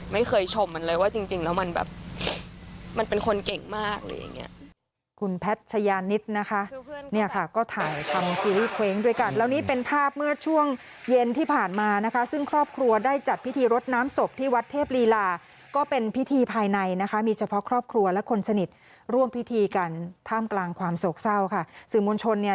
ไม่เคยชมมันเลยว่าจริงแล้วมันแบบ